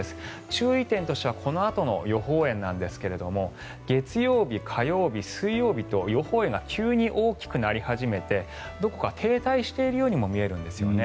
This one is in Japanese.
注意点としてはこのあとの予報円なんですが月曜日、火曜日、水曜日と予報円が急に大きくなり始めてどこか停滞しているようにも見えるんですね。